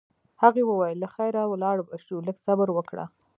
هغې وویل: له خیره ولاړ به شو، لږ صبر وکړه.